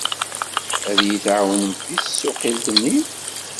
Ad iyi-tɛawnem deg tsuqqilt-nni?